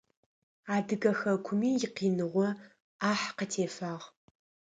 Адыгэ хэкуми икъиныгъо ӏахь къытефагъ.